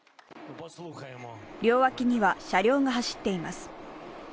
両脇には車両が走っています。